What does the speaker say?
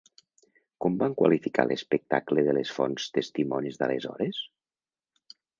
Com van qualificar l'espectacle de les fonts testimonis d'aleshores?